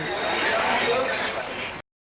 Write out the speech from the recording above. jangan lupa like share dan subscribe ya